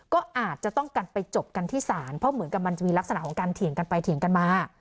ก็อาจจะต้องกันไปจบกันที่ศาลเพราะเหมือนกับมันจะมีลักษณะของการเถียงกันไปเถียงกันมา